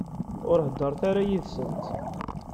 Ur heddṛet ara yid-sent.